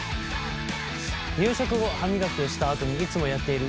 夕食後歯磨きをしたあとにいつもやっている舌磨き。